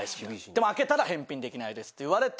でも開けたら返品できないです」って言われて。